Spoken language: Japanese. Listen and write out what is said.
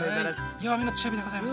弱めの中火でございます